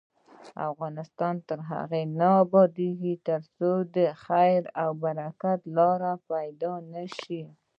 افغانستان تر هغو نه ابادیږي، ترڅو د خیر او برکت لاره پیدا نشي.